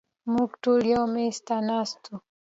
مونږ ټول يو مېز ته ناست وو